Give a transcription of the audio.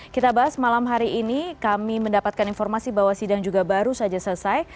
kita bahas malam hari ini kami mendapatkan informasi bahwa sidang juga baru saja selesai